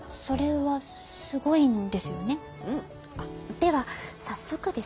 では早速ですが。